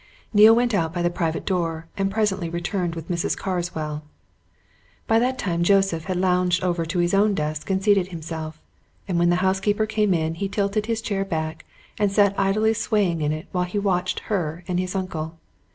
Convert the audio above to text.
Neale went out by the private door, and presently returned with Mrs. Carswell. By that time Joseph had lounged over to his own desk and seated himself, and when the housekeeper came in he tilted his chair back and sat idly swaying in it while he watched her and his uncle.